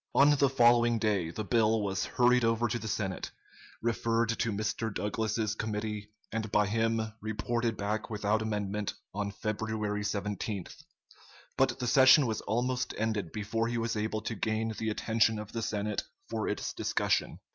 On the following day the bill was hurried over to the Senate, referred to Mr. Douglas's committee, and by him reported back without amendment, on February 17th; but the session was almost ended before he was able to gain the attention of the Senate for its discussion.